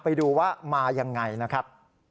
ไปดูว่ามายังไงนะครับ